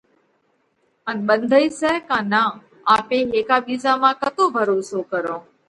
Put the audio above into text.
ان ٻنڌئِي سئہ ڪا نا؟ آپي هيڪا ٻِيزا مانه ڪتو ڀروسو ڪرونه؟